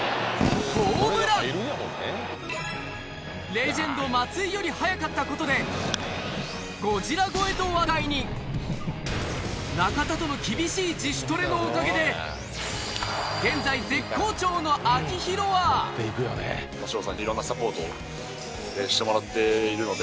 レジェンド松井より早かったことで「ゴジラ超え」と話題に中田との厳しい自主トレのおかげで現在絶好調の秋広はって思いでやってました。